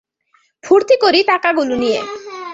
ফুর্তি করি টাকাগুলো নিয়ে।